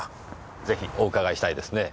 ぜひお伺いしたいですね。